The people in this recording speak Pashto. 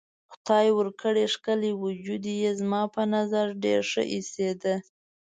خدای ورکړی ښکلی وجود یې زما په نظر ډېر ښه ایسېده.